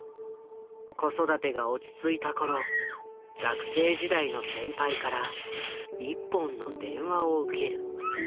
子育てが落ち着いた頃学生時代の先輩から一本の電話を受ける。